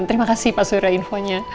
terima kasih pak surya infonya